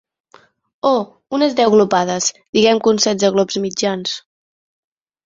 Oh, unes deu glopades, diguem que uns setze glops mitjans-